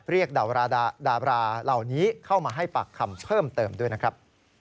ดาบราเหล่านี้เข้ามาให้ปากคำเพิ่มเติมด้วยนะครับ